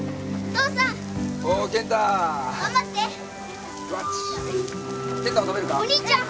お父さん。